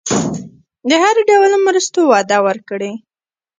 د هر ډول مرستو وعده ورکړي.